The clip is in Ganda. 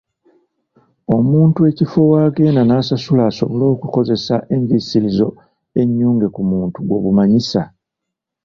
Ekifo omuntu w'agenda n’asasula asobole okukozesa enviisirizo ennyunge ku mukutu gw’obumanyisa.